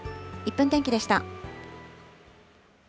１分天気でした。